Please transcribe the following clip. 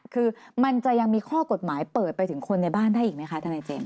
คือมันจะยังมีข้อกฎหมายเปิดไปถึงคนในบ้านได้อีกไหมคะทนายเจมส